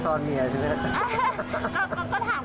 ก็ถามก็แซวกันเหมือนกัน